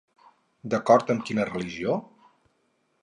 D'acord amb quina religió?